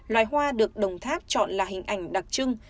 loài hoa được đồng tháp chọn là hình ảnh đặc trưng